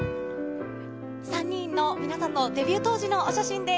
３人の皆さんのデビュー当時のお写真です。